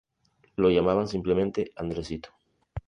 Lo llamaban simplemente Andresito.